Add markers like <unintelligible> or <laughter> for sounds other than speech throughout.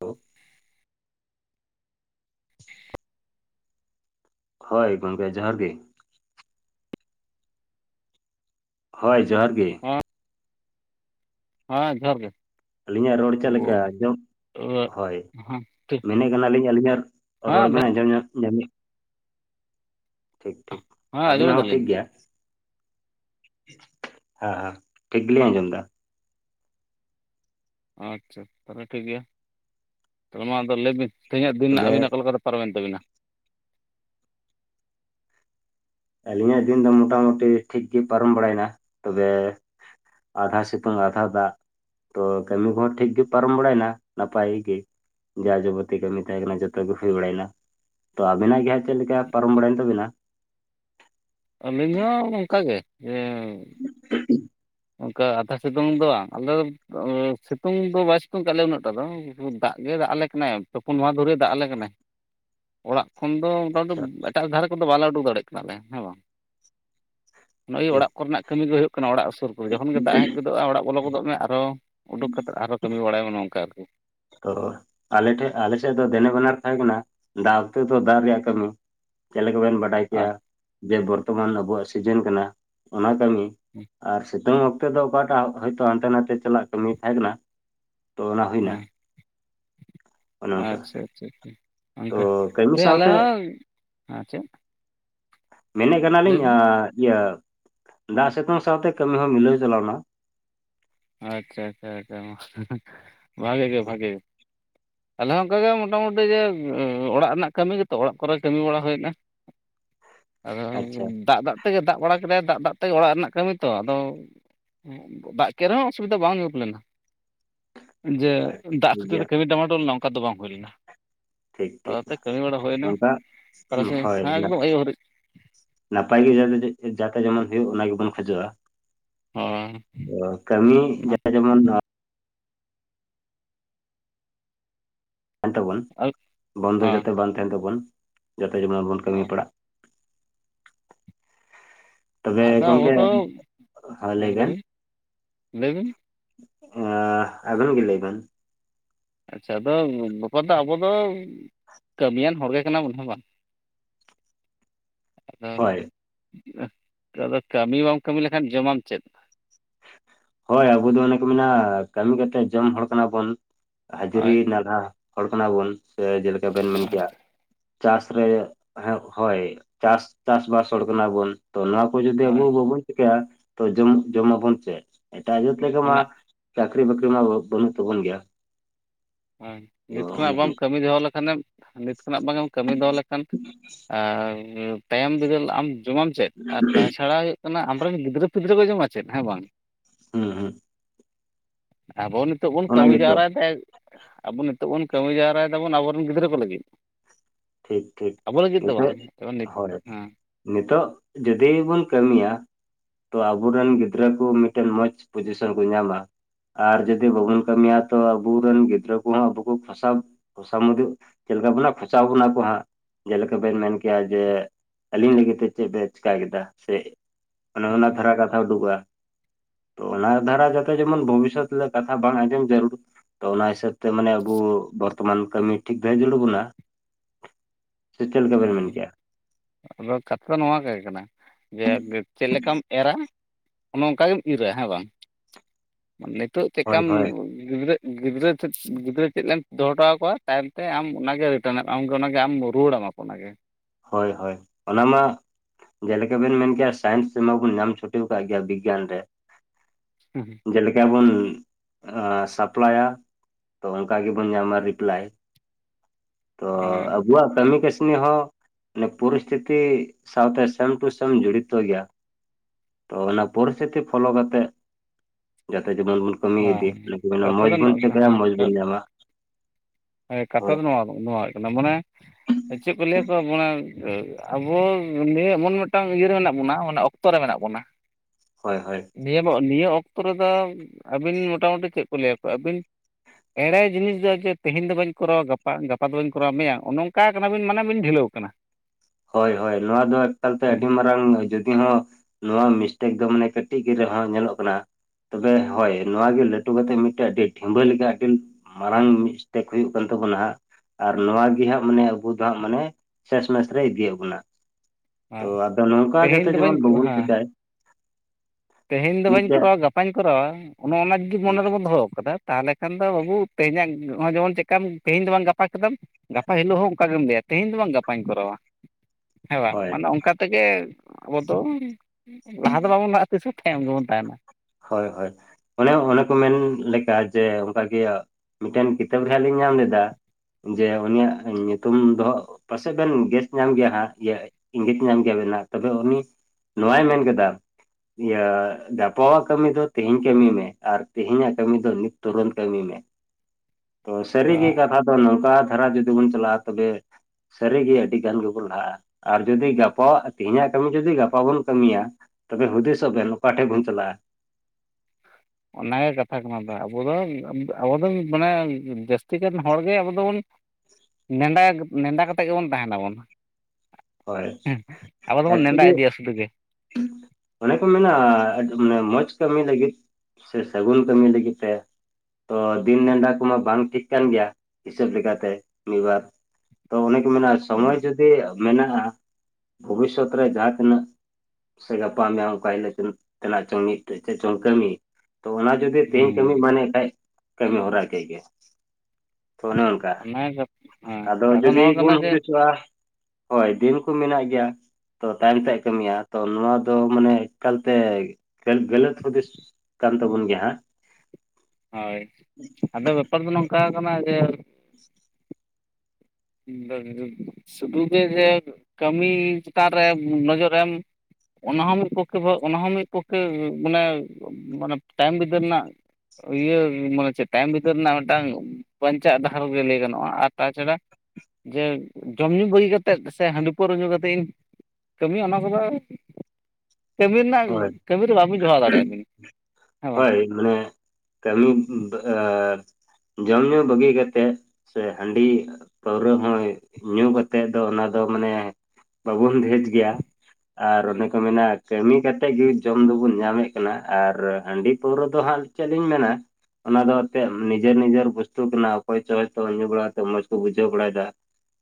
Hello. ᱦᱳᱭ ᱜᱚᱝᱠᱮ ᱡᱚᱦᱟᱨ ᱜᱮ᱾ ᱦᱳᱭ ᱡᱚᱦᱟᱨ ᱜᱮ᱾ ᱦᱮᱸ᱾ ᱦᱮᱸ ᱡᱚᱦᱟᱨ ᱜᱮ᱾ ᱟᱹᱞᱤᱧᱟᱜ ᱨᱚᱲ ᱪᱮᱫ ᱟᱵᱚ ᱞᱮᱠᱟ ᱟᱡᱚᱢ? ᱦᱳᱭ᱾ ᱦᱮᱸ ᱴᱷᱤᱠ ᱢᱮᱱᱮᱫ ᱠᱟᱱᱟ ᱞᱤᱧ ᱟᱹᱞᱤᱧᱟᱜ ᱨᱚᱲ ᱦᱮᱸ ᱵᱮᱱ ᱵᱷᱟᱹᱭ ᱟᱸᱡᱚᱢ ᱧᱟᱢ ᱧᱟᱢᱮᱜ ᱴᱷᱤᱠ ᱴᱷᱤᱠ, ᱦᱮᱸ ᱟᱸᱡᱚᱢ ᱟᱵᱤᱱᱟᱜ ᱦᱚᱸ ᱴᱷᱤᱠ ᱫᱟᱞᱤᱧ ᱜᱮᱭᱟ᱾ ᱦᱟ ᱦᱟ, ᱴᱷᱤᱠ ᱜᱮᱞᱤᱧ ᱟᱸᱡᱚᱢ ᱫᱟ᱾ ᱟᱪᱪᱷᱟ ᱛᱟᱦᱚᱞᱮ ᱴᱷᱤᱠ ᱜᱮᱭᱟ, ᱛᱟᱞᱦᱮ ᱢᱟ ᱟᱫᱚ ᱞᱟᱹᱭ ᱵᱤᱱ ᱛᱮᱦᱮᱧᱟᱜ ᱫᱤᱱ ᱨᱮᱱᱟᱜ ᱛᱚᱵᱮ ᱟᱹᱵᱤᱱᱟᱜ ᱚᱠᱟᱞᱮᱠᱟᱨᱮ? ᱯᱟᱨᱚᱢᱮᱱ ᱛᱟᱵᱤᱱᱟ᱾ ᱟᱹᱞᱤᱧᱟᱜ ᱫᱤᱱ ᱫᱚ ᱢᱚᱴᱟᱢᱩᱴᱤ ᱴᱷᱤᱠ ᱜᱮ ᱯᱟᱨᱚᱢ ᱵᱟᱲᱟᱭᱮᱱᱟ ᱛᱚᱵᱮ ᱟᱫᱷᱟ ᱥᱤᱛᱩᱝ ᱟᱫᱷᱟ ᱫᱟᱜ᱾ ᱛᱚ ᱠᱟᱹᱢᱤ ᱦᱚᱸ ᱴᱷᱤᱠ ᱜᱮ ᱯᱟᱨᱚᱢ ᱵᱟᱲᱟᱭᱱᱟ ᱱᱟᱯᱟᱭ ᱜᱮ᱾ ᱡᱟ ᱡᱟᱵᱚᱛᱤ ᱠᱟᱹᱢᱤ ᱛᱟᱦᱮᱸ ᱠᱟᱱᱟ ᱡᱚᱛᱚ ᱜᱮ ᱦᱩᱭ ᱵᱟᱲᱟᱭᱮᱱᱟ᱾ ᱛᱚ ᱟᱵᱤᱱᱟᱜ ᱜᱮ ᱦᱟᱸᱜ ᱪᱮᱫ ᱞᱮᱠᱟ ᱯᱟᱨᱚᱢ ᱵᱟᱲᱟᱭᱮᱱ ᱛᱟᱵᱤᱱᱟ? ᱟᱹᱞᱤᱧ ᱦᱚᱸ ᱱᱚᱝᱠᱟ ᱜᱮ, ᱡᱮ ᱚᱱᱠᱟ ᱟᱫᱷᱟ ᱥᱤᱛᱩᱝ ᱫᱚ ᱵᱟᱝ ᱟᱞᱮ ᱫᱚ ᱮ ᱥᱤᱛᱩᱝ ᱫᱚ ᱵᱟᱭ ᱥᱤᱛᱩᱝ ᱠᱟᱜ ᱞᱮᱭᱟ ᱩᱱᱟᱹᱜ ᱴᱟ ᱫᱚ ᱫᱟᱜ ᱜᱮ ᱫᱟᱜ ᱟᱞᱮ ᱠᱟᱱᱟᱭ ᱯᱮ ᱯᱩᱱ ᱢᱟᱦᱟ ᱫᱷᱳᱨᱮ ᱫᱟᱜ ᱟᱞᱮ ᱠᱟᱱᱟᱭ᱾ ᱚᱲᱟᱜ ᱠᱷᱚᱱ ᱫᱚ ᱟᱪᱪᱷᱟ ᱢᱚᱴᱟᱢᱩᱴᱤ ᱮᱴᱟᱜ ᱫᱷᱟᱨᱮ ᱠᱚᱫᱚ ᱵᱟᱞᱮ ᱩᱰᱩᱠ ᱫᱟᱲᱮᱭᱟᱜ ᱠᱟᱱᱟᱞᱮ, ᱦᱮᱸ ᱵᱟᱝ? ᱱᱚᱜᱼᱚᱭ ᱴᱷᱤᱠ ᱚᱲᱟᱜ ᱠᱚᱨᱮᱱᱟᱜ ᱠᱟᱹᱢᱤ ᱜᱮ ᱦᱩᱭᱩᱜ ᱠᱟᱱᱟ ᱚᱲᱟᱜ ᱥᱩᱨ ᱠᱚᱨᱮ, ᱡᱚᱠᱷᱚᱱ ᱜᱮ ᱫᱟᱜ ᱦᱮᱡ ᱜᱚᱫᱚᱜᱼᱟ ᱚᱲᱟᱜ ᱵᱚᱞᱚ ᱜᱚᱫᱚᱜ ᱢᱮ ᱟᱨᱦᱚᱸ ᱩᱰᱩᱠ ᱠᱟᱛᱮᱫ ᱟᱨᱦᱚᱸ ᱠᱟᱹᱢᱤ ᱵᱟᱲᱟᱭᱟ ᱢᱮ ᱚᱱᱮ ᱚᱱᱠᱟ ᱟᱨᱠᱤ᱾ ᱛᱚ ᱟᱞ ᱴᱷᱮᱡ ᱟᱞᱮ ᱥᱮᱫ ᱫᱚ ᱫᱮᱱᱮ ᱵᱟᱱᱟᱨ ᱛᱟᱦᱮᱸ ᱠᱟᱱᱟ, ᱫᱟᱜ ᱟᱛᱮ ᱫᱚ ᱫᱟᱜ ᱨᱮᱭᱟᱜ ᱠᱟᱹᱢᱤ, ᱪᱮᱫ ᱞᱮᱠᱟ ᱵᱮᱱ ᱵᱟᱰᱟᱭ ᱠᱮᱜ-ᱟ ᱡᱮ ᱵᱚᱨᱛᱚᱢᱟᱱ ᱟᱵᱚᱣᱟᱜ ᱥᱤᱡᱮᱱ ᱠᱟᱱᱟ, ᱚᱱᱟ ᱠᱟᱹᱢᱤ ᱟᱨ ᱥᱮ ᱛᱳᱝ ᱚᱠᱛᱮ ᱫᱚ ᱚᱠᱟᱴᱟᱜ ᱦᱳᱭᱛᱚ ᱦᱟᱱᱛᱮ ᱱᱟᱛᱮ ᱪᱟᱞᱟᱜ ᱠᱟᱹᱢᱤ ᱛᱟᱦᱮᱸ ᱠᱟᱱᱟ ᱛᱚ ᱚᱱᱟ ᱦᱩᱭ ᱮᱱᱟ᱾ ᱟᱪᱪᱷᱟ ᱟᱪᱪᱷᱟ ᱟᱪᱪᱷᱟ, ᱛᱚ ᱚᱱᱠᱟ, ᱠᱟᱹᱢᱤ ᱦᱟᱯᱮ ᱟᱞᱮ ᱥᱟᱶᱛᱮ ᱦᱚᱸ, ᱦᱮᱸ ᱪᱮᱫ? ᱢᱮᱱᱮᱫ ᱞᱟᱹᱭ ᱠᱟᱱᱟᱞᱤᱧ ᱵᱤᱱ ᱮᱸ ᱤᱭᱟᱹ, ᱫᱟᱜ ᱥᱤᱛᱩᱝ ᱥᱟᱶᱛᱮ ᱠᱟᱹᱢᱤ ᱦᱚᱸ ᱢᱤᱞᱟᱹᱣ ᱪᱟᱞᱟᱣᱱᱟ᱾ ᱟᱪᱪᱷᱟ ᱟᱪᱪᱷᱟ ᱟᱪᱪᱷᱟ, <unintelligible> ᱵᱷᱟᱜᱮ ᱜᱮ ᱵᱷᱟᱜᱮ ᱜᱮ᱾ ᱟᱞᱮ ᱦᱚᱸ ᱚᱱᱠᱟ ᱜᱮ ᱢᱚᱴᱟᱢᱩᱴᱤ ᱡᱮ ᱩᱸ ᱚᱲᱟᱜ ᱨᱮᱱᱟᱜ ᱠᱟᱹᱢᱤ ᱜᱮᱛᱚ, ᱚᱲᱟᱜ ᱠᱚᱨᱮ ᱠᱟᱹᱢᱤ ᱵᱟᱲᱟ ᱦᱩᱭᱱᱟ᱾ ᱟᱫᱚ ᱟᱪᱪᱷᱟ ᱫᱟᱜ ᱫᱟᱜ ᱛᱮᱜᱮ ᱫᱟᱜ ᱵᱟᱲᱟ ᱠᱮᱫᱟᱭ ᱫᱟᱜ ᱫᱟᱜ ᱛᱮᱜᱮ ᱚᱲᱟᱜ ᱨᱮᱱᱟᱜ ᱠᱟᱹᱢᱤ ᱛᱚ, ᱟᱫᱚ ᱫᱟᱜ ᱠᱮ ᱨᱮᱦᱚᱸ ᱚᱥᱩᱵᱤᱫᱟ ᱵᱟᱝ <unintelligible> ᱞᱮᱱᱟ, ᱡᱮ ᱟᱪᱪᱷᱟ ᱫᱟᱜ ᱴᱷᱤᱠ ᱠᱷᱟᱹᱛᱤᱨ ᱜᱮᱭᱟ ᱛᱮ ᱠᱟᱹᱢᱤ ᱰᱟᱢᱟᱰᱳᱞ ᱱᱟ ᱠᱟ ᱫᱚ ᱵᱟᱝ ᱦᱩᱭ ᱞᱮᱱᱟ᱾ ᱴᱷᱤᱠ ᱴᱷᱤᱠ ᱚᱱᱟᱛᱮ ᱠᱟᱹᱢᱤ ᱵᱟᱲᱟ ᱦᱩᱭᱱᱟ ᱚᱱᱠᱟ ᱛᱟᱨᱟᱥᱤᱧ ᱦᱳᱭ ᱮᱠᱫᱚᱢ ᱟᱹᱭᱩᱵ ᱫᱷᱟᱹᱨᱤᱡ᱾ ᱱᱟᱯᱟᱭ ᱜᱮ ᱡᱟᱼᱡᱟᱼᱡᱟᱛᱮ ᱡᱮᱢᱚᱱ ᱦᱩᱭᱩᱜ ᱚᱱᱟ ᱜᱮᱵᱚᱱ ᱠᱷᱚᱡᱚᱜᱼᱟ᱾ ᱦᱳᱭ ᱚ ᱠᱟᱹᱢᱤ ᱡᱟ ᱱᱟᱯ- ᱡᱮᱢᱚᱱ ᱟ <inaudible> ᱛᱟᱵᱚᱱ ᱟᱨ- ᱵᱚᱱᱫᱚ ᱦᱮᱸ ᱡᱟᱛᱮ ᱵᱟᱝ ᱛᱟᱦᱮᱱ ᱛᱟᱵᱚᱱ, ᱡᱟᱛᱮ ᱡᱮᱢᱚᱱ ᱵᱚᱱ ᱠᱟᱹᱢᱤ ᱦᱮᱸ ᱯᱟᱲᱟᱜ ᱛᱚᱵᱮ ᱟᱫᱚ ᱟᱵᱚ ᱜᱚᱝᱠᱮ ᱫᱚ ᱦᱚ ᱞᱟᱹᱭ ᱵᱮᱱ᱾ ᱞᱟᱹᱭᱵᱤᱱ ᱞᱟᱹᱭᱵᱤᱱ ᱟᱸ ᱟᱵᱮᱱ ᱜᱮ ᱞᱟᱹᱭᱵᱮᱱ? ᱟᱪᱪᱷᱟ ᱟᱫᱚ ᱵᱟᱯᱟ ᱫᱚ ᱟᱵᱚ ᱫᱚ ᱠᱟᱹᱢᱤᱭᱟᱱ ᱦᱚᱲ ᱜᱮ ᱠᱟᱱᱟ ᱵᱚᱱ ᱦᱮᱸ ᱵᱟᱝ? ᱦᱳᱭ ᱟᱫᱚ ᱟᱫᱚ ᱠᱟᱹᱢᱤ ᱵᱟᱢ ᱠᱟᱹᱢᱤ ᱞᱮᱠᱷᱟᱱ ᱡᱚᱢᱟᱢ ᱪᱮᱫ? ᱦᱳᱭ ᱟᱵᱚ ᱫᱚ ᱚᱱᱮ ᱠᱚ ᱢᱮᱱᱟ ᱠᱟᱹᱢᱤ ᱠᱟᱛᱮᱜ ᱡᱚᱢ ᱦᱚᱲ ᱠᱟᱱᱟ ᱵᱚᱱ ᱦᱟᱹᱡᱨᱤ ᱦᱳᱭ ᱱᱟᱞᱦᱟ ᱦᱚᱲ ᱠᱟᱱᱟᱵᱚᱱ ᱥᱮ ᱡᱮᱞᱮᱠᱟ ᱵᱮᱱ ᱢᱮᱱ ᱠᱮᱭᱟ ᱪᱟᱥ ᱨᱮ ᱦᱮᱸ ᱦᱳᱭ ᱪᱟᱥ ᱪᱟᱥ ᱵᱟᱥ ᱦᱚᱲ ᱠᱟᱱᱟᱵᱚᱱ᱾ ᱛᱚ ᱱᱚᱣᱟ ᱠᱚ ᱡᱩᱚᱫᱤ ᱟᱵᱚ ᱦᱳᱭ ᱵᱟᱵᱚᱱ ᱪᱤᱠᱟᱹᱭᱟ ᱛᱚ ᱡᱚᱢ ᱡᱚᱢᱟᱵᱚᱱ ᱪᱮᱜ? ᱮᱴᱟᱜ ᱡᱟᱹᱛ ᱞᱮᱠᱟ ᱢᱟ ᱚᱱᱟ ᱪᱟᱠᱨᱤ ᱵᱟᱹᱠᱨᱤ ᱢᱟ ᱵᱟᱹᱼᱵᱟᱹᱱᱩᱜ ᱛᱟᱵᱚᱱ ᱜᱮᱭᱟ᱾ ᱦᱮᱸ ᱛᱚ ᱱᱤᱛ ᱠᱷᱚᱱᱟᱜ ᱚᱱᱮ ᱵᱟᱢ ᱦᱩᱸ ᱠᱟᱹᱢᱤ ᱫᱚᱦᱚ ᱞᱮᱠᱷᱟᱱᱮᱢ ᱱᱤᱛ ᱠᱷᱚᱱᱟᱜ ᱵᱟᱝᱮᱢ ᱠᱟᱹᱢᱤ ᱫᱚᱦᱚ ᱞᱮᱠᱷᱟᱱ ᱟᱨ ᱛᱟᱭᱚᱢ ᱵᱤᱫᱟᱹᱞ ᱟᱢ ᱡᱚᱢᱟᱢ ᱪᱮᱫ ᱟ ᱛᱟᱪᱷᱟᱲᱟ ᱠᱟᱱᱟ ᱟᱢᱨᱮᱱ ᱜᱤᱫᱽᱨᱟᱹ ᱯᱤᱫᱽᱨᱟᱹ ᱠᱚ ᱡᱚᱢᱟ ᱪᱮᱫ ᱦᱮᱸ ᱵᱟᱝ? ᱦᱩᱸ ᱦᱩᱸ ᱟᱵᱚ ᱱᱤᱛᱚᱜ ᱵᱚᱱ ᱚᱱᱟ ᱠᱟᱹᱢᱤ ᱜᱮᱛᱚ ᱡᱟᱣᱨᱟᱭᱫᱮ ᱟᱵᱚ ᱱᱤᱛᱚᱜ ᱵᱚᱱ ᱠᱟᱹᱢᱤ ᱡᱟᱣᱨᱟᱭ ᱫᱟᱵᱚᱱ ᱟᱵᱚᱨᱮᱱ ᱜᱤᱫᱽᱨᱟᱹ ᱠᱚ ᱞᱟᱹᱜᱤᱫ᱾ ᱴᱷᱤᱠ ᱴᱷᱤᱠ ᱟᱵᱚ ᱞᱟᱹᱜᱤᱫ ᱫᱚ ᱱᱤᱛᱚᱜ ᱵᱟᱝ <inaudible> ᱦᱮᱸ ᱦᱳᱭ ᱱᱤᱛᱚᱜ ᱡᱩᱫᱤ ᱵᱚᱱ ᱠᱟᱹᱢᱤᱭᱟ ᱛᱚ ᱟᱵᱚᱨᱮᱱ ᱜᱤᱫᱽᱨᱟᱹ ᱠᱚ ᱢᱤᱫᱴᱮᱱ ᱢᱚᱸᱡᱽ ᱯᱚᱡᱤᱥᱚᱱ ᱠᱚ ᱧᱟᱢᱟ᱾ ᱟᱨ ᱡᱩᱚᱫᱤ ᱵᱟᱵᱩᱱ ᱠᱟᱹᱢᱤᱭᱟ ᱛᱚ ᱟᱵᱚᱨᱮᱱ ᱜᱤᱫᱽᱨᱟᱹ ᱠᱚᱦᱚᱸ ᱟᱵᱚ ᱠᱚ ᱯᱷᱟᱥᱟᱣ ᱯᱷᱚᱥᱟ ᱢᱩᱫᱮᱜ ᱪᱮᱫ ᱞᱮᱠᱟ ᱵᱚᱱᱟ ᱯᱷᱚᱥᱟᱣ ᱵᱚᱱᱟ ᱠᱚᱣᱟᱜ ᱡᱮᱞᱮᱠᱟ ᱵᱮᱱ ᱢᱮᱱ ᱠᱮᱭᱟ ᱡᱮ, ᱟᱞᱤᱧ ᱞᱟᱹᱜᱤᱫ ᱛᱮ ᱪᱮᱜ ᱵᱮ ᱪᱤᱠᱟ ᱠᱮᱫᱟ? ᱥᱮ ᱚᱱᱮ ᱚᱱᱟ ᱫᱷᱟᱨᱟ ᱠᱟᱛᱷᱟ ᱩᱰᱩᱠᱚᱜᱼᱟ᱾ ᱛᱚ ᱚᱱᱟ ᱫᱷᱟᱨᱟ ᱡᱟᱛᱮ ᱡᱮᱢᱚᱱ ᱵᱷᱚᱵᱤᱥᱚᱛ ᱞᱮ ᱠᱟᱛᱷᱟ ᱵᱟᱝ ᱟᱸᱡᱚᱢ ᱡᱟᱹᱨᱩᱲ ᱛᱚ ᱚᱱᱟ ᱦᱤᱥᱟᱹᱵ ᱛᱮ ᱢᱟᱱᱮ ᱟᱵᱚ ᱵᱚᱨᱛᱚᱢᱟᱱ ᱠᱟᱹᱢᱤ ᱴᱷᱤᱠ ᱫᱚᱦᱚ ᱡᱩᱲ ᱵᱚᱱᱟ᱾ ᱥᱮᱪᱮᱜ ᱞᱮᱠᱟ ᱵᱮᱱ ᱢᱮᱱ ᱦᱩᱸ ᱠᱮᱜᱼᱟ? ᱟᱫᱚ ᱠᱟᱛᱷᱟ ᱫᱚ ᱱᱚᱣᱟ ᱜᱮ ᱠᱟᱱᱟ ᱡᱮ, ᱪᱮᱜ ᱞᱮᱠᱟᱢ ᱮᱨᱟ ᱚᱱᱮ ᱚᱝᱠᱟ ᱜᱮᱢ ᱤᱨᱟ ᱦᱮᱸ ᱵᱟᱝ ᱱᱤᱛᱚᱜ ᱪᱮᱜ ᱦᱳᱭ ᱠᱟᱢ ᱦᱳᱭ ᱜᱤᱫᱽᱨᱟᱹ ᱜᱤᱫᱽᱨᱟᱹ ᱪᱮᱫ ᱜᱤᱫᱽᱨᱟᱹ ᱪᱮᱫ ᱮᱢ ᱫᱚᱦᱚ ᱚᱴᱚ ᱠᱚᱣᱟ ᱛᱟᱭᱚᱢᱛᱮ ᱟᱢ ᱚᱱᱟᱜᱮ ᱨᱤ ᱠᱟᱱᱟᱜ ᱟᱢᱜᱮ ᱟᱢ ᱨᱩᱣᱟᱹᱲ ᱟᱢᱟ ᱠᱚ ᱚᱱᱟᱜᱮ᱾ ᱦᱚᱭ ᱦᱚᱭ ᱚᱱᱟ ᱢᱟ ᱡᱮᱞᱮᱠᱟ ᱵᱮᱱ ᱢᱮᱱ ᱠᱮᱭᱟ ᱥᱟᱭᱮᱱᱥ ᱥᱤᱢᱟᱹᱵᱚᱱ ᱧᱟᱢ ᱪᱷᱩᱴᱟᱹᱣ ᱠᱟᱜ ᱜᱮᱭᱟ ᱵᱤᱜᱽᱜᱟᱱ ᱨᱮ᱾ ᱦᱩᱸ ᱦᱩᱸ ᱡᱮᱞᱮᱠᱟ ᱵᱚᱱ ᱟᱸ ᱥᱟᱯᱞᱟᱭᱟ ᱛᱚ ᱚᱝᱠᱟ ᱜᱮᱵᱚᱱ ᱧᱟᱢᱟ ᱨᱤᱯᱞᱟᱭ, ᱛᱚ ᱦᱮᱸ ᱟᱵᱚᱣᱟᱜ ᱠᱟᱹᱢᱤ ᱠᱟᱹᱥᱱᱤ ᱦᱚᱸ ᱚᱱᱮ ᱯᱩᱨᱤᱥᱛᱷᱤᱛᱤ ᱥᱟᱶᱛᱮ ᱥᱮᱢ ᱴᱩ ᱥᱮᱢ ᱡᱚᱲᱤᱛᱚ ᱜᱮᱭᱟ᱾ ᱛᱚ ᱚᱱᱟ ᱯᱚᱨᱤᱥᱛᱷᱤᱛᱤ ᱯᱷᱚᱞᱚ ᱠᱟᱛᱮᱜ ᱡᱟᱛᱮ ᱡᱮᱢᱚᱱ ᱵᱚᱱ ᱠᱟᱹᱢᱤ ᱤᱫᱤ ᱦᱳᱭ <inaudible> ᱠᱟᱛᱷᱟ ᱢᱚᱸᱡᱽ ᱵᱚᱱ ᱫᱚ ᱪᱮᱠᱟᱭᱟ ᱢᱚᱸᱡᱽ ᱵᱚᱱ ᱧᱟᱢᱟ᱾ ᱦᱮᱸ ᱠᱟᱛᱷᱟ ᱦᱳᱭ ᱫᱚ ᱱᱚᱣᱟ ᱱᱚᱣᱟ ᱦᱩᱭᱩᱜ ᱠᱟᱱᱟ ᱢᱟᱱᱮ ᱪᱮᱜ ᱠᱚ ᱞᱟᱹᱭᱟ ᱠᱚ <inaudible> ᱮ ᱟᱵᱚ ᱱᱤᱭᱟᱹ ᱮᱢᱚᱱ ᱢᱤᱫᱴᱟᱝ ᱤᱭᱟᱹᱨᱮ ᱢᱮᱱᱟᱜ ᱵᱚᱱᱟ ᱢᱟᱱᱮ ᱚᱠᱛᱚ ᱨᱮ ᱢᱮᱱᱟᱜ ᱵᱚᱱᱟ᱾ ᱦᱚᱭ ᱦᱚᱭ᱾ ᱱᱤᱭᱟᱹ ᱱᱤᱭᱟᱹ ᱚᱠᱛᱚ ᱨᱮᱫᱚ ᱟᱹᱵᱤᱱ ᱢᱚᱴᱟ ᱢᱩᱴᱤ ᱪᱮᱫ ᱠᱚ ᱞᱟᱹᱭᱟ ᱠᱚᱣᱟ ᱟᱹᱵᱤᱱ ᱮᱲᱮ ᱡᱤᱱᱤᱥ ᱫᱚ ᱪᱮᱫ ᱛᱮᱦᱮᱧ ᱫᱚ ᱵᱟᱹᱧ ᱠᱚᱨᱟᱣᱟ, ᱜᱟᱯᱟ ᱜᱟᱯᱟ ᱫᱚ ᱵᱟᱹᱧ ᱠᱚᱨᱟᱣᱟ, ᱢᱮᱭᱟᱝ ᱱᱚᱝᱠᱟ ᱠᱟᱱᱟᱵᱤᱱ ᱢᱟᱱᱮ ᱵᱤᱱ ᱰᱷᱤᱞᱟᱹᱣ ᱠᱟᱱᱟ᱾ ᱦᱳᱭ ᱦᱳᱭ ᱱᱚᱣᱟ ᱫᱚ ᱮᱠᱟᱞᱛᱮ ᱟᱹᱰᱤ ᱢᱟᱨᱟᱝ ᱡᱚᱫᱤ ᱦᱚᱸ ᱱᱚᱣᱟ ᱢᱤᱥᱴᱮᱠ ᱫᱚ ᱢᱟᱱᱮ ᱠᱟᱹᱴᱤᱡ ᱜᱮ ᱨᱮᱦᱚᱸ ᱧᱮᱞᱚᱜ ᱠᱟᱱᱟ᱾ ᱛᱚᱵᱮ ᱦᱳᱭ ᱱᱚᱣᱟ ᱜᱮ ᱞᱟᱹᱴᱩ ᱠᱟᱛᱮᱫ ᱢᱤᱫᱴᱮᱡ ᱟᱹᱰᱤ ᱴᱷᱤᱢᱵᱟᱹ ᱞᱮᱠᱟ ᱟᱹᱰᱤ ᱢᱟᱨᱟᱝ ᱢᱤᱥᱴᱮᱠ ᱦᱩᱭᱩᱜ ᱠᱟᱱ ᱛᱟᱵᱚ ᱱᱟᱦᱟᱜ᱾ ᱟᱨ ᱱᱚᱣᱟᱣᱟ ᱜᱮ ᱦᱟᱸᱜ ᱢᱟᱱᱮ ᱟᱵᱚ ᱫᱚ ᱦᱟᱸᱜ ᱢᱟᱱᱮ ᱥᱮᱥ ᱢᱮᱥ ᱨᱮ ᱤᱫᱤᱭᱮᱫ ᱵᱚᱱᱟ᱾ ᱛᱚ ᱦᱮᱸ ᱟᱫᱚ ᱱᱚᱝᱠᱟ ᱛᱮᱦᱮᱧ ᱡᱟᱛᱮ ᱫᱚ ᱡᱮᱢᱚᱱ ᱵᱟᱹᱧ ᱵᱩᱵᱚᱱ ᱦᱮᱸ ᱪᱮᱠᱟᱭ᱾ ᱛᱮᱦᱮᱧ ᱫᱚ ᱵᱟᱹᱧ ᱢᱤᱫᱴᱮᱡ ᱠᱚᱨᱟᱣᱟ ᱜᱟᱯᱟᱧ ᱠᱚᱨᱟᱣᱟ ᱚᱱᱮ ᱚᱱᱟ ᱡᱤᱫᱤ ᱢᱚᱱᱮ ᱨᱮᱵᱚᱱ ᱫᱚᱦᱚ ᱟᱠᱟᱫᱟ ᱛᱟᱦᱚᱞᱮ ᱠᱷᱟᱱ ᱫᱚ ᱵᱟᱹᱵᱩ ᱛᱮᱦᱮᱧᱟᱜ ᱱᱚᱜ-ᱚᱭ ᱡᱮᱢᱚᱱ ᱪᱮᱠᱟᱢ ᱛᱮᱦᱮᱧ ᱫᱚ ᱵᱟᱝ ᱜᱟᱯᱟ ᱠᱮᱫᱟᱢ ᱜᱟᱯᱟ ᱦᱤᱞᱳᱜ ᱦᱚᱸ ᱚᱱᱠᱟ ᱜᱮᱢ ᱞᱟᱹᱭᱟ ᱛᱮᱦᱮᱧ ᱫᱚ ᱵᱟᱝ ᱜᱟᱯᱟᱧ ᱠᱚᱨᱟᱣᱟ᱾ ᱦᱮᱸ ᱵᱟᱝ ᱦᱳᱭ ᱢᱟᱱᱮ ᱚᱱᱠᱟ ᱛᱮᱜᱮ ᱟᱵᱚ ᱫᱚ ᱞᱟᱦᱟ ᱫᱚ ᱵᱟᱵᱚᱱ ᱞᱟᱦᱟ-ᱟ᱾ ᱠᱤᱪᱷᱩ ᱛᱟᱭᱚᱢ ᱜᱮᱵᱚᱱ ᱛᱟᱦᱮᱸᱱᱟ᱾ ᱦᱳᱭ ᱦᱳᱭ ᱚᱱᱮ ᱚᱱᱮ ᱠᱚ ᱢᱮᱱ ᱞᱮᱠᱟ ᱡᱮ ᱚᱱᱠᱟᱜᱮ ᱢᱤᱫᱴᱮᱱ ᱠᱤᱛᱟᱹᱵ ᱨᱮᱦᱟᱜ ᱞᱤᱧ ᱧᱟᱢ ᱞᱮᱫᱟ᱾ ᱡᱮ ᱩᱱᱤᱭᱟᱜ ᱧᱩᱛᱩᱢ ᱫᱚ ᱯᱟᱥᱮᱡ ᱵᱮᱱ ᱜᱮᱥᱴ ᱧᱟᱢ ᱜᱮᱭᱟ ᱦᱟᱸᱜ ᱤᱭᱟᱹ ᱤᱸᱝᱜᱤᱛ ᱧᱟᱢ ᱜᱮᱭᱟ ᱵᱤᱱ ᱱᱟᱜ, ᱛᱚᱵᱮ ᱩᱱᱤ ᱱᱚᱣᱟᱭ ᱢᱮᱱ ᱠᱮᱫᱟ ᱤᱭᱟᱹ ᱜᱟᱯᱟᱣᱟᱜ ᱠᱟᱹᱢᱤ ᱫᱚ ᱛᱮᱦᱮᱧ ᱠᱟᱹᱢᱤ ᱢᱮ ᱟᱨ ᱛᱮᱦᱮᱧᱟᱜ ᱠᱟᱹᱢᱤ ᱫᱚ ᱱᱤᱛ ᱛᱩᱨᱟᱹᱱ ᱠᱟᱹᱢᱤ ᱢᱮ᱾ ᱛᱚ ᱥᱟᱹᱨᱤᱜᱮ ᱠᱟᱛᱷᱟ ᱫᱚ ᱱᱚᱝᱠᱟ ᱫᱷᱟᱨᱟ ᱡᱩᱫᱤ ᱵᱚᱱ ᱪᱟᱞᱟᱜ-ᱟ ᱛᱚᱵᱮ ᱥᱟᱹᱨᱤ ᱜᱮ ᱟᱹᱰᱤ ᱜᱟᱱ ᱜᱮᱵᱚᱱ ᱞᱟᱦᱟᱜ-ᱟ ᱟᱨ ᱡᱩᱫᱤ ᱜᱟᱯᱟ ᱟᱜ ᱛᱮᱦᱮᱧ ᱟᱜ ᱠᱟᱹᱢᱤ ᱡᱩᱫᱤ ᱜᱟᱯᱟ ᱵᱚᱱ ᱠᱟᱹᱢᱤᱭᱟ᱾ ᱛᱚᱵᱮ ᱦᱩᱫᱤᱥ-ᱚᱜ ᱵᱮᱱ ᱚᱠᱟ ᱴᱷᱮᱱ ᱵᱚᱱ ᱪᱟᱞᱟᱜ-ᱟ᱾ <unintelligible> ᱚᱱᱟᱜᱮ ᱠᱟᱛᱷᱟ ᱠᱟᱱᱟ ᱟᱫᱚ ᱟᱵᱚ ᱫᱚ ᱟᱵᱚ ᱫᱚ ᱢᱟᱱᱮ ᱡᱟᱹᱥᱛᱤ ᱠᱟᱱ ᱦᱚᱲᱜᱮ ᱟᱵᱚ ᱫᱚᱵᱚᱱ ᱱᱮᱰᱟᱭᱟ ᱱᱮᱰᱟ ᱠᱟᱛᱮᱫ ᱜᱮᱵᱚᱱ ᱛᱟᱦᱮᱸ ᱱᱟᱵᱚᱱ᱾ ᱦᱳᱭ ᱟᱵᱚ ᱫᱚᱵᱚᱱ ᱱᱮᱰᱟ ᱮᱠᱪᱩᱭᱮᱞᱤ ᱤᱫᱤᱭᱟ ᱥᱩᱫᱩ ᱜᱮ᱾ ᱚᱱᱮ ᱠᱚ ᱢᱮᱱᱟ ᱢᱟᱱᱮ ᱢᱚᱡᱽ ᱠᱟᱹᱢᱤ ᱞᱟᱹᱜᱤᱫ ᱥᱮ ᱥᱟᱹᱜᱩᱱ ᱠᱟᱹᱢᱤ ᱞᱟᱹᱜᱤᱫ ᱛᱮ᱾ ᱛᱚ ᱫᱤᱱ ᱱᱮᱰᱟ ᱠᱚᱢᱟ ᱵᱟᱝ ᱴᱷᱤᱠ ᱠᱟᱱ ᱜᱮᱭᱟ᱾ ᱦᱤᱥᱟᱹᱵ ᱞᱮᱠᱟᱛᱮ ᱢᱤᱫᱵᱟᱨ ᱛᱚ ᱚᱱᱮ ᱠᱚ ᱢᱮᱱᱟᱜ-ᱟ ᱥᱚᱢᱚᱭ ᱡᱩᱫᱤ ᱢᱮᱱᱟᱜ-ᱟ ᱵᱷᱚᱵᱤᱥᱚᱛ ᱨᱮ ᱡᱟᱦᱟᱸ ᱛᱤᱱᱟᱹᱜ ᱥᱮ ᱜᱟᱯᱟ ᱢᱮᱭᱟᱝ ᱚᱱᱠᱟ ᱦᱤᱞᱚᱜ ᱪᱚᱝ ᱛᱮᱱᱟᱜ ᱪᱚᱝ ᱢᱤᱫᱴᱮᱡ ᱪᱮᱫ ᱪᱚᱝ ᱠᱟᱹᱢᱤ᱾ ᱛᱚ ᱚᱱᱟ ᱡᱩᱫᱤ ᱛᱮᱦᱤᱧ ᱠᱟᱹᱢᱤ ᱦᱮᱸ ᱢᱟᱱᱮ ᱠᱷᱟᱡ ᱠᱟᱹᱢᱤ ᱦᱚᱨᱟ ᱠᱮᱜ ᱜᱮ᱾ ᱛᱚ ᱚᱱᱮ ᱚᱱᱠᱟ ᱚᱱᱟ ᱦᱮᱸ ᱟᱫᱚ ᱠᱟᱛᱷᱟ ᱡᱩᱫᱤ ᱱᱚᱣᱟ ᱵᱚᱱ ᱠᱟᱱᱟ ᱡᱮ ᱦᱩᱫᱤᱥᱚᱜ-ᱟ᱾ ᱦᱳᱭ ᱫᱤᱱ ᱠᱚ ᱢᱮᱱᱟᱜ ᱜᱮᱭᱟ᱾ ᱛᱚ ᱛᱟᱭᱚᱢ ᱛᱮ ᱠᱟᱹᱢᱤᱭᱟ ᱛᱚ ᱱᱚᱣᱟ ᱫᱚ ᱢᱟᱱᱮ ᱮᱠᱟᱞᱛᱮᱭ ᱜᱟᱹᱞᱟᱹᱛ ᱦᱩᱫᱤᱥ ᱠᱟᱱ ᱛᱟᱵᱚᱱ ᱜᱮᱭᱟ ᱦᱟᱸᱜ ᱦᱳᱭ ᱟᱫᱚ ᱵᱮᱯᱟᱨ ᱫᱚ ᱱᱚᱝᱠᱟ ᱠᱟᱱᱟ ᱡᱮ <unintelligible> ᱥᱩᱫᱩ ᱜᱮ ᱡᱮ ᱠᱟᱹᱢᱤ ᱪᱮᱛᱟᱱ ᱨᱮ ᱱᱚᱡᱚᱨ ᱨᱮᱢ᱾ ᱚᱱᱟ ᱦᱚᱸ ᱢᱤᱫ ᱯᱚᱠᱠᱷᱮ ᱫᱚ ᱚᱱᱟ ᱦᱚᱸ ᱢᱤᱫ ᱯᱚᱠᱠᱷᱮ ᱢᱟᱱᱮ ᱢᱟᱱᱮ ᱴᱟᱭᱤᱢ ᱵᱤᱫᱟᱹ ᱨᱮᱱᱟᱜ ᱤᱭᱟᱹ ᱢᱟᱱᱮ ᱪᱮᱫ ᱛᱟᱭᱚᱢ ᱵᱤᱫᱟᱹᱞ ᱨᱮᱱᱟᱜ ᱢᱤᱫᱴᱟᱝ ᱵᱟᱧᱪᱟᱜ ᱰᱟᱦᱟᱨ ᱜᱮ ᱞᱟᱹᱭ ᱜᱟᱱᱚᱜ-ᱟ, ᱟᱨ ᱛᱟᱪᱷᱟᱲᱟ ᱡᱮ ᱡᱚᱢ ᱧᱩ ᱵᱟᱹᱜᱤ ᱠᱟᱛᱮᱫ, ᱥᱮ ᱦᱟᱺᱰᱤ ᱯᱟᱹᱣᱨᱟᱹ ᱧᱩ ᱠᱟᱛᱮ ᱤᱧ ᱠᱟᱹᱢᱤᱭᱟ ᱚᱱᱟ ᱠᱚᱫᱚ ᱠᱟᱹᱢᱤ ᱨᱮᱱᱟᱜ ᱦᱳᱭ ᱠᱟᱹᱢᱤ ᱨᱮ ᱵᱟᱵᱤᱱ ᱡᱚᱲᱟᱣ ᱫᱟᱲᱮᱭᱟᱜ ᱵᱤᱱ ᱦᱮᱸ ᱵᱟᱝ᱾ ᱦᱳᱭ ᱢᱟᱱᱮ ᱠᱟᱹᱢᱤ ᱫᱚ ᱟᱨ ᱡᱚᱢ ᱧᱩ ᱵᱟᱹᱜᱤ ᱠᱟᱛᱮᱜ ᱥᱮ ᱦᱟᱺᱰᱤ ᱯᱟᱹᱣᱨᱟᱹ ᱦᱚᱸ ᱧᱩ ᱠᱟᱛᱮᱫ ᱫᱚ ᱚᱱᱟ ᱫᱚ ᱢᱟᱱᱮ ᱵᱟᱵᱚᱱ ᱫᱷᱮᱡ ᱜᱮᱭᱟ᱾ ᱟᱨ ᱚᱱᱮ ᱠᱚ ᱢᱮᱱᱟᱜ ᱠᱟᱹᱢᱤ ᱠᱟᱛᱮᱜ ᱜᱮ ᱡᱚᱢ ᱫᱚᱵᱚᱱ ᱧᱟᱢᱮᱫ ᱠᱟᱱᱟ ᱟᱨ ᱦᱟᱺᱰᱤ ᱯᱟᱹᱣᱨᱟᱹ ᱫᱚ ᱦᱟᱸᱜ ᱪᱮᱫ ᱞᱤᱧ ᱢᱮᱱᱟ᱾ ᱚᱱᱟ ᱫᱚ ᱮᱱᱛᱮᱫ ᱱᱤᱡᱮᱨ ᱱᱤᱡᱮᱨ ᱵᱚᱥᱛᱩ ᱠᱟᱱᱟ ᱚᱠᱚᱭ ᱪᱚ ᱦᱚᱭᱛᱚ ᱧᱩ ᱵᱟᱲᱟᱛᱮᱫ ᱢᱚᱸᱡᱽ ᱠᱚ ᱵᱩᱡᱷᱟᱹᱣ ᱵᱟᱲᱟᱭ ᱫᱟ᱾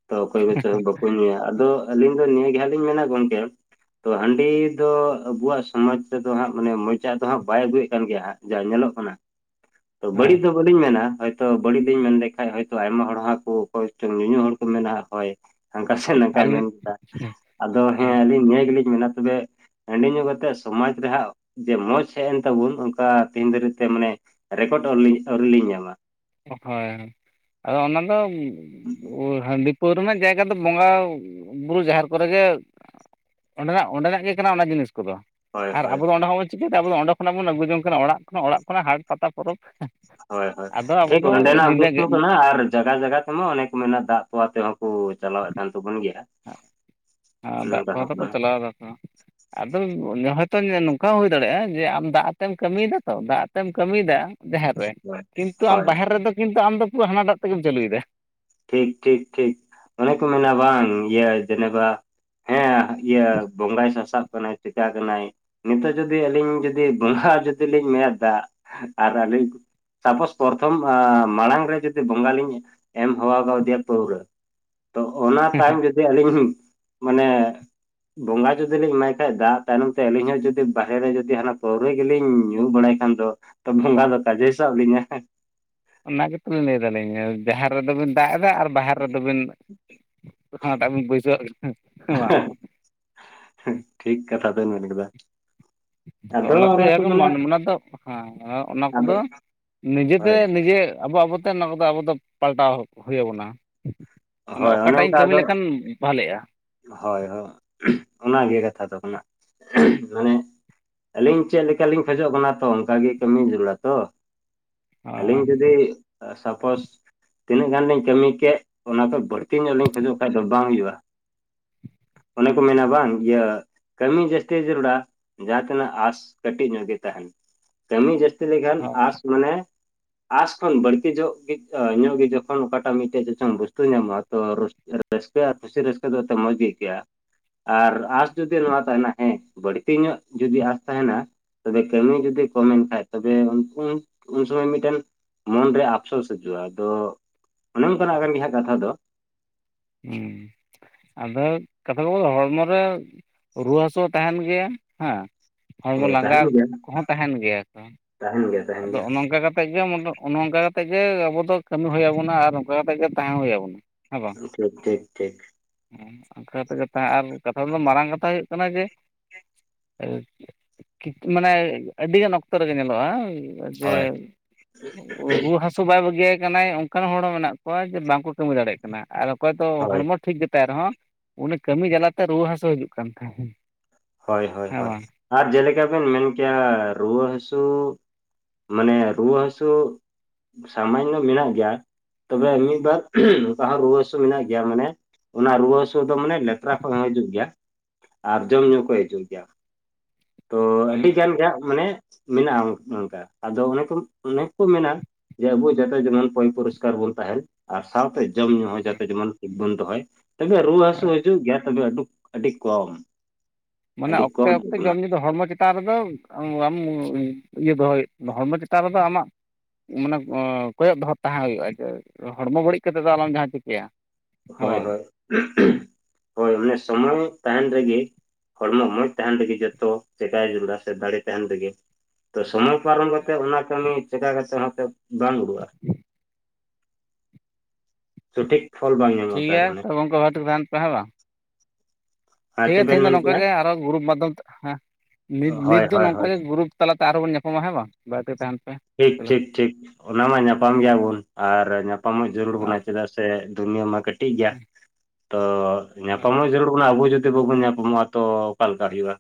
ᱛᱚ ᱚᱠᱚᱭ ᱠᱚᱪᱚ ᱫᱚ ᱧᱩᱭᱟ ᱟᱫᱚ ᱟᱹᱞᱤᱧ ᱫᱚ ᱱᱤᱭᱟᱹ ᱜᱮ ᱦᱟᱸᱜ ᱞᱤᱧ ᱢᱮᱱᱟ ᱜᱚᱝᱠᱮ ᱛᱚ ᱦᱟᱺᱰᱤ ᱫᱚ ᱟᱵᱚᱣᱟᱜ ᱥᱚᱢᱟᱡᱽ ᱛᱮᱫᱚ ᱦᱟᱸᱜ ᱢᱟᱱᱮ ᱢᱚᱪᱟᱜ ᱫᱚ ᱦᱟᱸᱜ ᱵᱟᱭ ᱟᱹᱜᱩᱭᱮᱜ ᱠᱟᱱ ᱜᱮᱭᱟ ᱦᱟᱸᱜ ᱡᱟ ᱧᱮᱞᱚᱜ ᱠᱟᱱᱟ᱾ ᱛᱚ ᱦᱮᱸ ᱵᱟᱹᱲᱤᱡ ᱫᱚ ᱵᱟᱹᱞᱤᱧ ᱢᱮᱱᱟ ᱦᱚᱭᱛᱚ ᱵᱟᱹᱲᱤᱡ ᱞᱤᱧ ᱢᱮᱱ ᱞᱮᱠᱷᱟᱡ ᱦᱚᱭᱛᱚ ᱟᱭᱢᱟ ᱦᱚᱲ ᱦᱟᱜ ᱠᱚ ᱚᱠᱚᱭ ᱪᱚᱝ ᱧᱩ ᱧᱩ ᱦᱚᱲ ᱠᱚ ᱢᱮᱱᱟ ᱦᱚᱭ᱾ ᱦᱟᱱᱠᱟ ᱥᱮ ᱱᱟᱝᱠᱟᱭ ᱟᱹᱞᱤᱧ ᱢᱮᱱ ᱠᱮᱫᱟ ᱟᱫᱚ ᱦᱮᱸ ᱟᱹᱞᱤᱧ ᱱᱤᱭᱟᱹ ᱜᱮᱞᱤᱧ ᱢᱮᱱᱟ ᱛᱚᱵᱮ ᱦᱟᱺᱰᱤ ᱧᱩ ᱠᱟᱛᱮᱜ ᱥᱚᱢᱟᱡ ᱨᱮᱦᱟᱸᱜ ᱡᱮ ᱢᱚᱸᱡᱽ ᱦᱮᱡ ᱮᱱ ᱛᱟᱵᱚᱱ ᱚᱱᱠᱟ ᱛᱮᱦᱮᱧ ᱫᱷᱟᱹᱨᱤᱡ ᱛᱮ ᱢᱟᱱᱮ ᱨᱮᱠᱚᱴᱚ ᱟᱹᱣᱨᱤ ᱟᱹᱣᱨᱤ ᱞᱤᱧ ᱧᱟᱢᱟ᱾ ᱦᱳᱭ ᱟᱫᱚ ᱚᱱᱟ ᱫᱚ ᱦᱟᱺᱰᱤ ᱯᱟᱹᱣᱨᱟᱹ ᱨᱮᱱᱟᱜ ᱡᱟᱭᱜᱟ ᱫᱚ ᱵᱚᱸᱜᱟ ᱵᱩᱨᱩ ᱡᱟᱦᱮᱨ ᱠᱚᱨᱮ ᱜᱮ ᱚᱸᱰᱮᱱᱟᱜ ᱚᱸᱰᱮᱱᱟᱜ ᱜᱮ ᱠᱟᱱᱟ ᱚᱱᱟ ᱡᱤᱱᱤᱥ ᱠᱚᱫᱚ᱾ ᱦᱳᱭ ᱟᱨ ᱦᱳᱭ ᱟᱵᱚ ᱫᱚ ᱚᱰᱮ ᱠᱷᱚᱵᱚᱱ ᱪᱤᱠᱟᱹᱭᱫᱟ ᱟᱵᱚ ᱫᱚ ᱚᱸᱰᱮ ᱠᱷᱚᱱᱟᱜ ᱵᱚᱱ ᱟᱹᱜᱩ ᱡᱚᱝ ᱠᱟᱱᱟ ᱚᱲᱟᱜ ᱠᱷᱚᱱᱟᱜ ᱚᱲᱟᱜ ᱠᱷᱚᱱᱟᱜ ᱦᱟᱴ ᱯᱟᱛᱟ ᱯᱚᱨᱚᱵᱽ ᱦᱳᱭ ᱦᱳᱭ ᱟᱫᱚ ᱟᱵᱚ ᱴᱷᱤᱠ ᱫᱚ ᱱᱚᱸᱰᱮᱱᱟᱜ ᱧᱤᱫᱟᱹ ᱜᱮ ᱵᱩᱥᱛᱩ ᱠᱟᱱᱟ ᱟᱨ ᱡᱟᱜᱟ ᱡᱟᱜᱟ ᱛᱮᱢᱟ ᱚᱱᱮᱠ ᱢᱮᱱᱟᱜ-ᱟ ᱫᱟᱜ ᱠᱚᱣᱟ ᱛᱮᱦᱚᱸ ᱳ ᱪᱟᱞᱟᱣ ᱮ ᱠᱟᱱ ᱛᱟᱵᱚᱱ ᱜᱮᱭᱟ᱾ ᱟᱨ ᱚᱱᱮ ᱫᱟᱜ ᱚᱱᱠᱟ ᱠᱚᱦᱚᱸ ᱦᱚᱸ ᱛᱚᱠᱚ ᱠᱟᱱᱟ ᱪᱟᱞᱟᱣ ᱫᱟ ᱛᱚ ᱦᱟᱜ ᱟᱫᱚ ᱦᱚᱭᱛᱚ ᱱᱚᱝᱠᱟ ᱦᱚᱸ ᱦᱩᱭ ᱫᱟᱲᱮᱭᱟᱜ-ᱟ ᱡᱮ ᱟᱢ ᱫᱟᱜ ᱟᱛᱮᱢ ᱠᱟᱹᱢᱤᱭᱮᱫᱟ ᱛᱚ ᱫᱟᱜ ᱟᱛᱮᱢ ᱠᱟᱹᱢᱤᱭᱮᱫᱟ ᱡᱟᱦᱮᱨ ᱨᱮ ᱦᱳᱭ ᱠᱤᱱᱛᱩ ᱟᱢ ᱦᱳᱭ ᱵᱟᱦᱮᱨ ᱨᱮᱫᱚ ᱠᱤᱱᱛᱩ ᱟᱢᱫᱚ ᱯᱩᱨᱟᱹ ᱦᱟᱱᱟᱴᱟᱜ ᱛᱮᱜᱮᱢ ᱪᱟᱹᱞᱩᱭ ᱫᱟ᱾ ᱴᱷᱤᱠ ᱴᱷᱤᱠ ᱴᱷᱤᱠ ᱚᱱᱮ ᱠᱚ ᱢᱮᱱᱟ ᱵᱟᱝ ᱤᱭᱟᱹ ᱡᱮᱱᱮᱵᱟ ᱦᱮᱸ ᱤᱭᱟᱹ ᱵᱚᱸᱜᱟᱭ ᱥᱟᱥᱟᱵ ᱠᱟᱱᱟᱭ᱾ ᱪᱮᱠᱟ ᱠᱟᱱᱟᱭ ᱱᱤᱛᱚᱜ ᱡᱩᱫᱤ ᱟᱹᱞᱤᱧ ᱡᱩᱫᱤ ᱵᱚᱸᱜᱟ ᱡᱩᱫᱤ ᱞᱤᱧ ᱢᱮᱫ ᱫᱟᱜ ᱟᱨ ᱟᱹᱞᱤᱧ ᱥᱟᱯᱳᱥ ᱯᱚᱨᱛᱷᱚᱢ ᱢᱟᱲᱟᱝ ᱨᱮ ᱡᱩᱫᱤ ᱵᱚᱸᱜᱟ ᱞᱤᱧ ᱫᱚᱦᱚ ᱠᱟᱣᱫᱮᱭᱟ ᱯᱟᱹᱣᱨᱟᱹ ᱛᱚ ᱚᱱᱟ ᱛᱟᱭᱚᱢ ᱡᱩᱫᱤ ᱟᱹᱞᱤᱧ ᱢᱟᱱᱮ ᱵᱚᱸᱜᱟ ᱡᱩᱫᱤ ᱞᱤᱧ ᱮᱢᱟᱭ ᱠᱷᱟᱡ ᱫᱟᱜ ᱛᱟᱭᱱᱚᱢ ᱛᱮ ᱟᱹᱞᱤᱧ ᱦᱚᱸ ᱡᱩᱫᱤ ᱵᱟᱦᱨᱮ ᱨᱮ ᱡᱩᱫᱤ ᱦᱟᱱᱟ ᱯᱟᱹᱣᱨᱟᱹ ᱜᱮᱞᱤᱧ ᱧᱩ ᱵᱟᱲᱟᱭ ᱮᱱᱠᱷᱟᱱ ᱫᱚ ᱛᱚ ᱵᱚᱸᱜᱟ ᱫᱚ ᱠᱟᱡᱮᱭ ᱥᱟᱵ ᱞᱤᱧᱟ ᱦᱮᱸ ᱚᱱᱟ ᱜᱮᱛᱚᱞᱤᱧ ᱞᱟᱹᱭ ᱫᱟᱞᱤᱧ ᱡᱟᱦᱮᱨ ᱨᱮᱫᱚ ᱵᱤᱱ ᱫᱟᱜ ᱮᱫᱟ ᱟᱨ ᱵᱟᱦᱮᱨ ᱨᱮᱫᱚ ᱵᱤᱱ ᱦᱟᱱᱟᱴᱟᱜ ᱵᱤᱱ ᱵᱟᱹᱭᱥᱟᱹᱣᱟᱜ ᱦᱮᱸ ᱦᱮᱸ ᱵᱟᱝ? ᱴᱷᱤᱠ ᱠᱟᱛᱷᱟ ᱵᱮᱱ ᱢᱮᱱ ᱠᱟᱫᱟ᱾ ᱟᱫᱚ ᱚᱱᱟᱛᱮ ᱚᱱᱟ ᱠᱚ ᱮᱱᱨᱮᱦᱚᱸ ᱢᱮᱱᱟ ᱢᱟᱱ ᱚᱱᱟ ᱫᱚ ᱦᱮᱸ ᱚᱱᱟ ᱠᱚ ᱟᱫᱚ ᱫᱚ ᱱᱤᱡᱮᱛᱮ ᱦᱳᱭ ᱱᱤᱡᱮ ᱟᱵᱚ ᱟᱵᱚᱛᱮ ᱱᱚᱣᱟ ᱠᱚᱫᱚ ᱟᱵᱚ ᱫᱚ ᱯᱟᱞᱴᱟᱣ ᱦᱩᱭᱟ ᱵᱚᱱᱟ᱾ ᱢᱟᱱᱮ ᱦᱳᱭ ᱚᱱᱮ ᱚᱠᱟᱴᱟᱜ ᱤᱧ ᱚᱱᱠᱟ ᱠᱟᱹᱢᱤ ᱟᱫᱚ ᱞᱮᱠᱷᱟᱱ ᱵᱷᱟᱞᱮᱜᱼᱟ᱾ ᱦᱳᱭ ᱦᱳᱭ ᱚᱱᱟᱱᱟᱜᱮ ᱠᱟᱛᱷᱟ ᱫᱚ ᱠᱟᱱᱟ ᱢᱟᱱᱮ ᱟᱹᱞᱤᱧ ᱪᱮᱫ ᱞᱮᱠᱟᱞᱤᱧ ᱠᱷᱚᱡᱚᱜ ᱠᱟᱱᱟ ᱛᱚ ᱚᱱᱠᱟᱜ ᱜᱮ ᱠᱟᱹᱢᱤ ᱡᱟᱹᱨᱩᱲᱟ ᱛᱚ ᱟᱹᱞᱤᱧ ᱦᱳᱭ ᱡᱩᱫᱤ ᱥᱟᱯᱳᱥ ᱛᱤᱱᱟᱹᱜ ᱜᱟᱱ ᱞᱤᱧ ᱠᱟᱹᱢᱤ ᱠᱮᱫ ᱚᱱᱟ ᱫᱚ ᱵᱟᱹᱲᱛᱤ ᱧᱚᱜ ᱞᱤᱧ ᱠᱷᱚᱡᱚᱜ ᱠᱷᱟᱡ ᱫᱚ ᱵᱟᱝ ᱦᱩᱭᱩᱜᱼᱟ᱾ ᱚᱱᱮ ᱠᱚ ᱢᱮᱱᱟ ᱵᱟᱝ ᱤᱭᱟᱹ ᱠᱟᱹᱢᱤ ᱡᱟᱹᱥᱛᱤ ᱡᱟᱹᱨᱩᱲᱟ᱾ ᱡᱟᱦᱟᱸ ᱛᱤᱱᱟᱹᱜ ᱟᱥ ᱠᱟᱹᱴᱤᱡ ᱧᱚᱜ ᱜᱮ ᱛᱟᱦᱮᱱ ᱠᱟᱹᱢᱤ ᱡᱟᱹᱥᱛᱤ ᱞᱮᱠᱷᱟᱱ ᱦᱳᱭ ᱟᱥ ᱢᱟᱱᱮ ᱟᱥ ᱠᱷᱚᱱ ᱵᱟᱹᱲᱛᱤ ᱡᱚᱜ ᱧᱚᱜ ᱜᱮ ᱡᱚᱠᱷᱚᱱ ᱚᱠᱟᱴᱟᱜ ᱢᱤᱫᱴᱮᱡ ᱡᱚᱠᱷᱚᱱ ᱵᱩᱡ᱾ ᱧᱟᱢᱚᱜᱼᱟ ᱛᱚ ᱨᱟᱹᱥᱠᱟᱹ ᱟᱨ ᱠᱩᱥᱤ ᱨᱟᱹᱥᱠᱟᱹ ᱫᱚ ᱮ ᱢᱚᱸᱡᱽ ᱜᱮ ᱟᱹᱭᱠᱟᱹᱜᱼᱟ᱾ ᱟᱨ ᱟᱸᱥ ᱡᱩᱫᱤ ᱱᱚᱣᱟ ᱛᱟᱦᱮᱱᱟ ᱦᱮᱸ ᱵᱟᱹᱲᱛᱤ ᱧᱚᱜ ᱡᱩᱫᱤ ᱟᱸᱥ ᱛᱟᱦᱮᱱᱟ ᱛᱚᱵᱮ ᱠᱟᱹᱢᱤ ᱡᱩᱚᱫᱤ ᱠᱚᱢᱮᱱ ᱠᱷᱟᱱ ᱛᱚᱵᱮ ᱩᱱ ᱥᱚᱢᱚᱭ ᱢᱤᱫᱴᱮᱱ ᱢᱚᱱᱨᱮ ᱟᱯᱥᱳᱥ ᱦᱤᱡᱩᱜᱼᱟ ᱾ ᱟᱫᱚ ᱚᱱᱮ ᱚᱱᱠᱟᱱᱟ-ᱜ ᱠᱟᱱ ᱜᱮ ᱦᱟᱜ ᱠᱟᱛᱷᱟ ᱫᱚ᱾ ᱦᱮᱸ ᱟᱫᱚ ᱠᱟᱛᱷᱟ ᱠᱚ, ᱦᱚᱲᱢᱚ ᱨᱮ ᱨᱩᱣᱟᱹ ᱦᱟᱹᱥᱩ, ᱦᱚᱸ ᱛᱟᱦᱮᱱ ᱜᱮᱭᱟ᱾ ᱦᱮᱸ ᱦᱚᱲᱢᱚ ᱦᱳᱭ ᱛᱟᱦᱮᱱ ᱞᱟᱸᱜᱟ ᱜᱮᱭᱟ ᱠᱚᱼᱦᱚᱸ ᱛᱟᱦᱮᱱ ᱜᱮᱭᱟ᱾ ᱛᱚ ᱛᱟᱦᱮᱱ ᱜᱮᱭᱟ ᱛᱟᱦᱮᱱ ᱟᱫᱚ ᱜᱮᱭᱟ ᱚᱱᱮ ᱱᱚᱝᱠᱟ ᱠᱟᱛᱮ ᱜᱮ ᱚᱱᱮ ᱚᱱᱠᱟ ᱠᱟᱛᱮ ᱜᱮ, ᱟᱵᱚ ᱫᱚ ᱠᱟᱹᱢᱤ ᱦᱩᱭ ᱟᱵᱚᱱᱟ᱾ ᱟᱨ ᱚᱱᱠᱟ ᱠᱟᱛᱮ ᱜᱮ ᱛᱟᱦᱮᱸ ᱦᱩᱭ ᱟᱵᱚᱱᱟ᱾ ᱴᱷᱤᱠ, ᱴᱷᱤᱠ, ᱴᱷᱤᱠ <unintelligible> ᱟᱨ ᱠᱟᱛᱷᱟ ᱫᱚ ᱢᱟᱨᱟᱝ ᱠᱟᱛᱷᱟ ᱦᱩᱭᱩ-ᱜ ᱠᱟᱱᱟ᱾ ᱡᱮ ᱢᱟᱱᱮ ᱟᱹᱰᱤᱜᱟᱱ ᱚᱠᱛᱚ ᱨᱮᱜᱮ ᱧᱮᱞᱚᱜᱼᱟ᱾ ᱡᱮ ᱦᱳᱭ ᱨᱩᱭᱟᱹ ᱦᱟᱥᱩ ᱦᱟᱹᱥᱩ ᱵᱟᱭ ᱵᱟᱹᱜᱤᱭᱤᱭᱟ ᱠᱟᱱᱟᱭ᱾ ᱚᱱᱠᱟᱱ ᱦᱚᱲ ᱦᱚᱸ ᱢᱮᱱᱟᱜ ᱠᱚᱣᱟ ᱾ ᱡᱮ ᱵᱟᱝᱠᱚ ᱠᱟᱹᱢᱤ ᱫᱟᱲᱮᱭᱟ-ᱜ ᱠᱟᱱᱟ ᱾ ᱟᱨ ᱚᱠᱚᱭ ᱛᱚ ᱦᱳᱭ ᱦᱚᱲᱢᱚ ᱴᱷᱤᱠ ᱜᱮᱛᱟᱭ ᱨᱮᱦᱚᱸ, ᱩᱱᱤ ᱠᱟᱹᱢᱤ ᱡᱟᱞᱟᱛᱮ ᱨᱩᱣᱟᱹ ᱦᱟᱹᱥᱩ ᱦᱤᱡᱩᱼᱜ ᱠᱟᱱ ᱛᱟᱦᱮᱸᱱ᱾ ᱦᱳᱭ, ᱦᱳᱭ, ᱦᱳᱭ ᱟᱨ ᱡᱮᱞᱮᱠᱟ ᱵᱮᱱ ᱢᱮᱱ ᱠᱮᱭᱟ ᱾ᱨᱩᱣᱟᱹ ᱦᱟᱹᱥᱩ ᱢᱟᱱᱮ ᱨᱩᱣᱟᱹ ᱦᱟᱹᱥᱩ, ᱥᱟᱢᱟᱱᱱᱚ ᱢᱮᱱᱟᱜ ᱜᱮᱭᱟ᱾ ᱛᱚᱵᱮ ᱢᱤᱫᱵᱟᱨ ᱚᱱᱠᱟ ᱦᱚᱸ ᱨᱩᱣᱟᱹ ᱦᱟᱥᱩ ᱢᱮᱱᱟᱜ ᱜᱮᱭᱟ᱾ ᱢᱟᱱᱮ ᱚᱱᱟ ᱨᱩᱣᱟᱹ ᱦᱟᱹᱥᱩ ᱫᱚ ᱢᱟᱱᱮ, ᱵᱮᱷᱛᱟᱸ ᱠᱷᱚᱱ ᱦᱚᱸ ᱦᱤᱡᱩᱜ ᱜᱮᱭᱟ ᱾ ᱟᱨ ᱡᱚᱢ ᱧᱩ ᱠᱚ ᱦᱤᱡᱩᱜ ᱜᱮᱭᱟ᱾ ᱛᱚ ᱟᱹᱰᱤ ᱦᱮᱸ ᱜᱟᱱ ᱜᱮ ᱢᱟᱱᱮ ᱢᱮᱱᱟᱜᱼᱟ᱾ ᱚᱱᱠᱟ ᱟᱫᱚ ᱚᱱᱮ ᱠᱚ ᱚᱱᱮ ᱠᱚ ᱢᱮᱱᱟ᱾ ᱡᱮ ᱟᱵᱚ ᱡᱟᱚᱛᱚ ᱡᱮᱢᱚᱱ, ᱯᱭ ᱯᱩᱨᱚᱥᱠᱟᱨ ᱵᱚᱱ ᱛᱟᱦᱮᱱ᱾ ᱟᱨ ᱥᱟᱶᱛᱮ ᱡᱚᱢ ᱧᱩᱸ ᱦᱚᱸ ᱦᱮᱸ ᱡᱟᱛᱮ ᱡᱮᱢᱚᱱ ᱴᱷᱤᱠ ᱵᱚᱱ ᱫᱚᱦᱚᱭ᱾ ᱛᱚᱵᱮ ᱨᱩᱣᱟᱹ ᱦᱟᱹᱥᱩ ᱦᱳᱭ ᱦᱤᱡᱩᱜ ᱜᱮᱭᱟ᱾ ᱛᱚᱵᱮ ᱟᱹᱰᱤ ᱠᱚᱢ᱾ ᱢᱟᱱᱮ ᱟᱹᱰᱤ ᱚᱠᱛᱮ, ᱠᱚᱢ ᱚᱠᱛᱮ ᱛᱟᱵᱚᱱᱟ ᱡᱚᱢ ᱧᱩᱩᱤ ᱫᱚ ᱦᱚᱲᱢᱚ ᱪᱮᱛ ᱪᱮᱛᱟᱱ ᱨᱮᱫᱚ ᱵᱟᱢ ᱤᱭᱟᱹ ᱫᱚᱦᱚᱭᱮᱫ ᱦᱚᱲᱢᱚ ᱪᱮᱛᱟᱱ ᱨᱮᱫᱚ ᱟᱢᱟᱜ ᱢᱟᱱᱮ ᱠᱚᱭᱚᱜ ᱫᱚᱦᱚᱸ ᱛᱟᱦᱮᱸ ᱦᱩᱭᱩᱜᱼᱟ᱾ ᱡᱮ ᱦᱚᱲᱢᱚ ᱵᱟᱹᱲᱤᱡ ᱠᱟᱛᱮᱮᱫ ᱫᱚ, ᱟᱞᱚᱢ ᱡᱟᱦᱟᱸ ᱪᱤᱠᱟᱹᱭᱟ᱾ ᱦᱮᱸ ᱦᱳᱭ, ᱵᱟᱝ ᱦᱳᱭ, ᱦᱳᱭ ᱚᱱᱮ ᱥᱚᱢᱚᱭ ᱛᱟᱦᱮᱱ ᱨᱮᱜᱮ᱾ ᱦᱚᱲᱢᱚ ᱢᱚᱸᱡᱷᱽ ᱛᱟᱦᱮᱱ ᱨᱮᱜᱮ ᱡᱚᱛᱚ, ᱪᱮᱟᱭ ᱡᱲᱟ ᱥᱮ ᱫᱟᱲᱮᱸ ᱛᱟᱦᱮᱱ ᱨᱮᱜᱮ᱾ ᱛᱚ ᱥᱚᱢᱚᱭ ᱯᱟᱨᱚᱢ ᱠᱟᱛᱮᱜ, ᱚᱱᱟ ᱠᱟᱹᱢᱤᱤ ᱪᱮᱠᱟ ᱠᱟᱛᱮ ᱦᱚᱸᱛᱚᱸ ᱵᱟᱝ ᱩᱰᱩᱠᱼᱟ? ᱥᱚᱴᱷᱤᱠ ᱯᱷᱚᱞ ᱵ ᱴᱷᱤᱠ ᱜᱮᱭᱟ᱾ ᱛᱚᱵᱮ ᱚᱱᱠᱟ ᱵᱷᱽᱟᱵ ᱛᱮ ᱠᱚ ᱛᱟᱦᱮᱱ ᱯᱮ ᱦᱮᱸ ᱵᱟᱝ? ᱟᱨ ᱴᱷᱤᱠ ᱪᱮᱫ ᱜᱮᱭᱟ ᱵᱮᱱ ᱛᱮᱸᱦᱮᱧ ᱫᱚᱸ ᱢᱮᱱ ᱱᱚᱝᱠᱟ ᱠᱮᱜᱼᱟ ᱜᱮ᱾ ᱟᱨᱦᱚᱸ ᱜᱨᱩᱯ ᱢᱟᱫᱽᱫᱷᱚᱢ ᱛᱮ, ᱦᱮᱸ ᱦᱳᱭ ᱱᱤᱛ ᱫᱚ ᱦᱳᱭ ᱦᱳᱭ ᱱᱚᱝᱠᱟᱟᱜ ᱜᱮ ᱜᱨᱩᱯ ᱛᱟᱞᱟᱛᱮ ᱟᱨᱚᱸ ᱵᱚᱱ ᱧᱟᱯᱟᱢᱟ᱾ ᱦᱮᱸ ᱵᱟᱝ᱾ ᱵᱟᱹᱭᱛᱤ ᱛᱟᱦᱮᱱ ᱯᱮ᱾ ᱴᱷᱤᱠ, ᱫᱮᱞᱟ᱾ ᱴᱷᱤᱠ, ᱴᱷᱤᱠ ᱚᱱᱟ ᱢᱟ ᱧᱟᱯᱟᱢ ᱜᱮᱭᱟᱵᱚᱱ ᱾ ᱟᱨ ᱧᱟᱯᱟᱢᱚ-ᱜ ᱡᱟᱹᱨᱩᱲ ᱟᱨ ᱵᱚᱱᱟ ᱾ᱪᱮᱫᱟᱜ ᱥᱮ ᱥᱮ ᱫᱩᱱᱭ ᱢᱟ ᱠᱟᱹᱴᱤᱡ ᱜᱮᱭᱟ᱾ ᱛᱚ ᱧᱟᱯᱟᱢ ᱦᱚᱸ ᱡᱟᱹᱨᱩᱲ ᱠᱟᱱᱟᱚ ᱟᱵᱚ ᱡᱩᱫᱤᱼᱼᱼ ᱵᱟᱵᱚᱱ ᱧᱟᱯᱟᱢᱚᱜᱼᱟ᱾ ᱛᱚ ᱚᱠᱟᱞᱠᱟ ᱦᱩᱭᱩᱜᱼᱟ᱾